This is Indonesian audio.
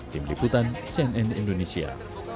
tim liputan cnn indonesia